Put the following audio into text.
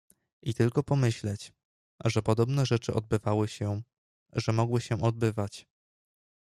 "I tylko pomyśleć, że podobne rzeczy odbywały się, że mogły się odbywać."